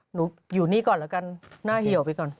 หนูอยู่นี่ก่อนแล้วกันหน้าเหี่ยวไปก่อน